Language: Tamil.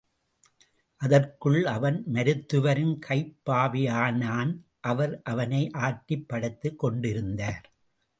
அதற்குள் அவன் மருத்துவரின் கைப் பாவையானான் அவர் அவனை ஆட்டிப் படைத்துக் கொண்டிருந்தார்.